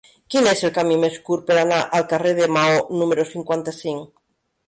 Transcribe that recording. Quin és el camí més curt per anar al carrer de Maó número cinquanta-cinc?